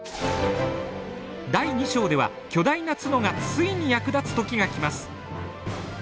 第２章では巨大な角がついに役立つ時がきます。